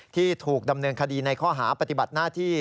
ที่ถูกดำเนินคดีในข้อหาปฏิบัติหน้าที่